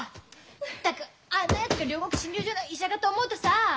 ったくあんなやつが両国診療所の医者だと思うとさ！